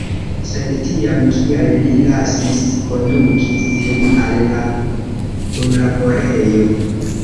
Sed tiam, kial li lasis konduki sin al la punlaborejo?